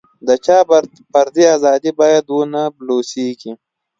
د چا فردي ازادي باید ونه بلوسېږي.